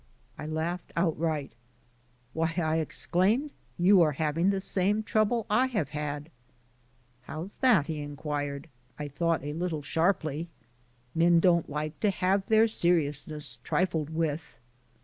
I laughed outright. "Why," I exclaimed, "you are having the same trouble I have had!" "How's that?" he inquired, I thought a little sharply. Men don't like to have their seriousness trifled with.